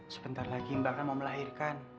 sebentar lagi mbak kan mau melahirkan